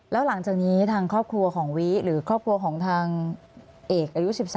แล้วหลังจากนี้ทางครอบครัวของวิหรือครอบครัวของทางเอกอายุ๑๓